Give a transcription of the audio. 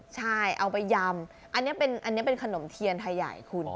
ใช่เอาไปยำอันนี้เป็นขนมเทียนไทยใหญ่คุณ